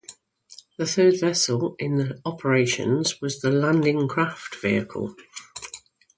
The third vessel in the operations was the Landing Craft Vehicle.